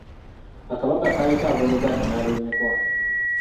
Akabaga kaaliko ab'oluganda n'ab'emikwano.